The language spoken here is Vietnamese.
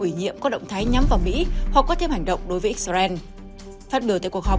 ủy nhiệm có động thái nhắm vào mỹ hoặc có thêm hành động đối với israel phát biểu tại cuộc họp